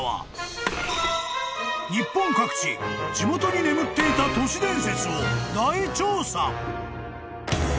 ［日本各地地元に眠っていた都市伝説を大調査］